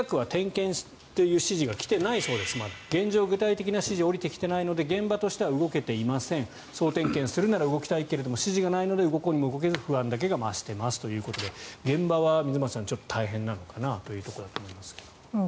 世田谷区は点検という指示が来ていないそうで具体的な指示は下りてきていないので現場としては動けていない状態総点検なら動きたいが指示がないので動こうにも動けず不安だけが増していますということで現場は大変かなというところだと思いますが。